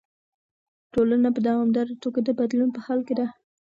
ټولنه په دوامداره توګه د بدلون په حال کې ده.